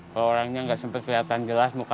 kalau orangnya nggak sempat kelihatan jelas muka